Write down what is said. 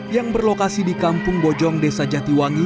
yang berlokasi di kampung bojong desa jatiwangi